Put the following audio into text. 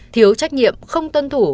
thiếu trách nhiệm không tuân thủ